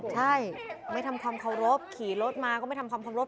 ใช่ไม่ทำความเคารพขี่รถมาก็ไม่ทำความเคารพ